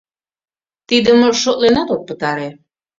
Тидым шотленат от пытаре.